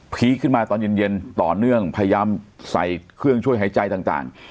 ขึ้นมาตอนเย็นต่อเนื่องพยายามใส่เครื่องช่วยหายใจต่าง